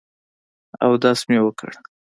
اودس مې وکړ.